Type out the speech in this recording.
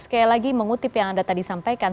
sekali lagi mengutip yang anda tadi sampaikan